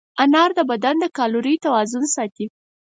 انار د بدن د کالورۍ توازن ساتي.